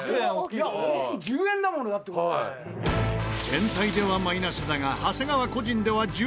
全体ではマイナスだが長谷川個人では１０円得できた